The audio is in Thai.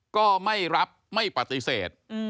ก็ไม่รับไม่ปฏิเสธ